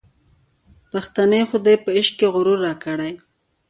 پښتنې خودۍ په عشق کي غرور راکړی